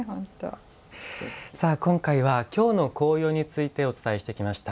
今回は、「京の紅葉」についてお伝えしてきました。